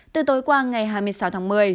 từ tối qua ngày hai mươi sáu tháng một mươi